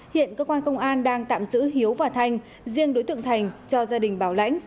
hiện cơ quan công an đang tạm giữ hiếu và thanh riêng đối tượng thành cho gia đình bảo lãnh